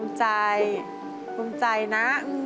ภูมิใจภูมิใจนะ